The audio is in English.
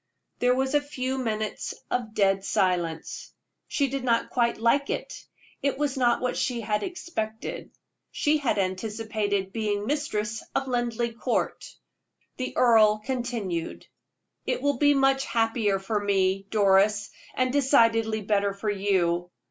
There was a few minutes of dead silence. She did not quite like it; it was not what she had expected. She had anticipated being mistress of Linleigh Court. The earl continued: "It will be much happier for me, Doris, and decidedly better for you.